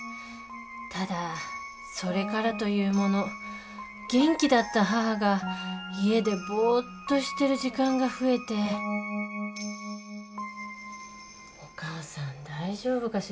ただそれからというもの元気だった母が家でぼっとしてる時間が増えてお母さん大丈夫かしら。